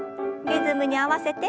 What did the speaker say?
リズムに合わせて。